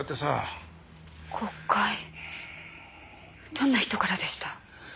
どんな人からでした？